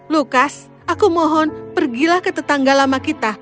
lukas aku mohon pergilah ke tetangga lama kita